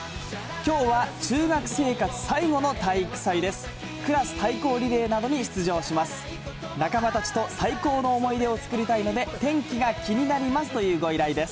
きょうは中学生活最後の体育祭です。